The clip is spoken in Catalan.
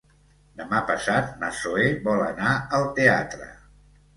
Demà passat na Zoè vol anar al teatre.